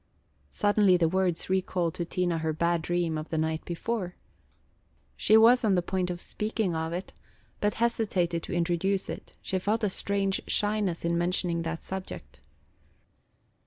Suddenly the words recalled to Tina her bad dream of the night before. She was on the point of speaking of it, but hesitated to introduce it; she felt a strange shyness in mentioning that subject.